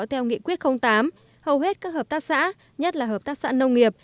theo nghị quyết tám hầu hết các hợp tác xã nhất là hợp tác xã nông nghiệp